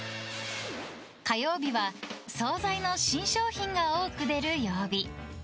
火曜日は総菜の新商品が多く出る曜日。